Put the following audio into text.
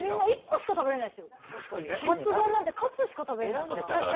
カツ丼なんてカツしか食べれない。